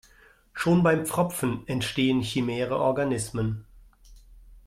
Schon beim Pfropfen entstehen chimäre Organismen.